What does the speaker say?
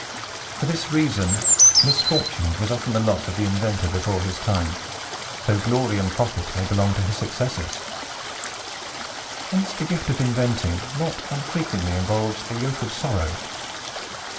For this reason, misfortune is often the lot of the inventor before his time, though glory and profit may belong to his successors. Hence the gift of inventing not unfrequently involves a yoke of sorrow.